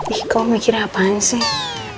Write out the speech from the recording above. ih kamu mikir apaan sih